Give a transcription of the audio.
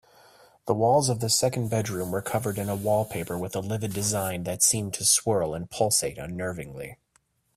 The walls of the second bedroom were covered in a wallpaper with a livid design that seemed to swirl and pulsate unnervingly.